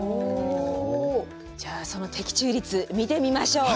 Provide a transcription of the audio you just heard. じゃあその適中率見てみましょう。